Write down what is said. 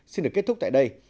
xin được kết thúc tại đây